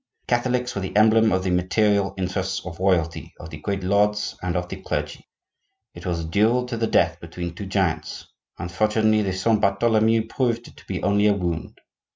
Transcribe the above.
The Catholics were the emblem of the material interests of royalty, of the great lords, and of the clergy. It was a duel to the death between two giants; unfortunately, the Saint Bartholomew proved to be only a wound.